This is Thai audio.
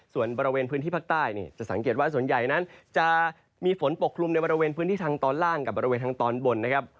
ส่วนบริเวณพื้นที่ภาคใต้จะสังเกตว่าส่วนใหญ่นั้นจะมีฝนปกคลุมในบริเวณพื้นที่ทางตอนล่างกับบริเวณทางตอนบนนะครับ